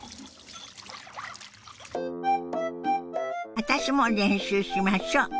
私も練習しましょ。